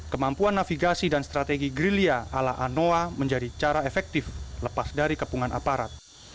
kemampuan navigasi dan strategi gerilya ala anoa menjadi cara efektif lepas dari kepungan aparat